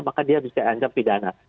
maka dia bisa ancaman pidana